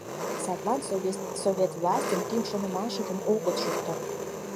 Садлан совет властьын тӱҥ шонымашыжым огыт шукто.